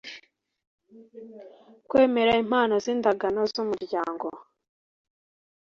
kwemera impano n’indagano z’umuryango